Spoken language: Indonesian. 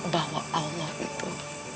bahwa allah itu